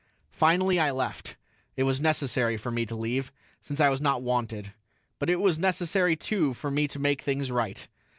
Finally I left; it was necessary for me to leave, since I was not wanted. But it was necessary, too, for me to make things right.